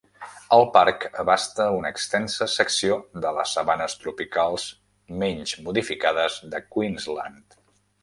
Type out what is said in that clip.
El parc abasta una extensa secció de les sabanes tropicals menys modificades de Queensland.